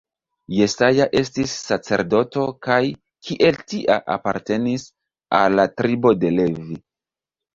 Jesaja estis sacerdoto kaj kiel tia apartenis al la tribo de Levi.